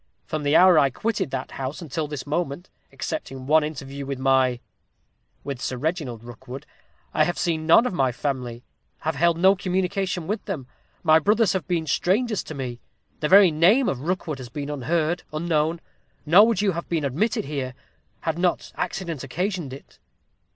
From the hour I quitted that house until this moment, excepting one interview with my with Sir Reginald Rookwood I have seen none of my family have held no communication with them. My brothers have been strangers to me; the very name of Rookwood has been unheard, unknown; nor would you have been admitted here, had not accident occasioned it.'